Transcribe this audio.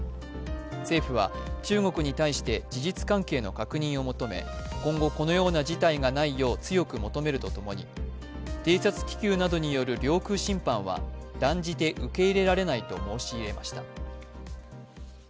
政府は中国に対して事実関係の確認を求め今後、このような事態がないよう強く求めるとともに偵察気球などによる領空侵犯は断じて受け入れられないと申し入れました。